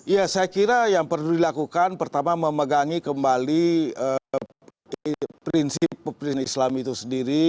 ya saya kira yang perlu dilakukan pertama memegangi kembali prinsip prinsip islam itu sendiri